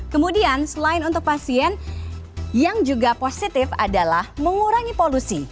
kemudian selain untuk pasien yang juga positif adalah mengurangi polusi